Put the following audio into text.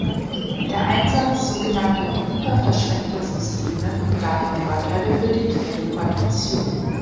Der Einsatz sogenannter hyperverschränkter Systeme bringt daher Vorteile für die Teleportation.